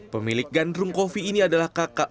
pemilik gandrung kopi ini adalah kakak